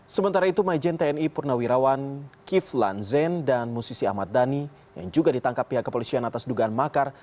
sementara itu majen tni purnawirawan kiflan zen dan musisi ahmad dhani yang juga ditangkap pihak kepolisian atas dugaan makar